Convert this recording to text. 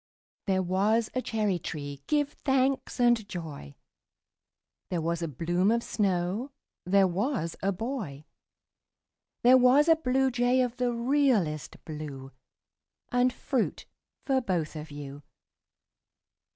There was a cherry tree, give thanks and joy! There was a bloom of snow There was a boy There was a bluejay of the realest blue And fruit for both of you.